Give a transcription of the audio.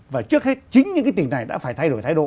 và trước hết chính những cái tỉnh này đã phải thay đổi thái độ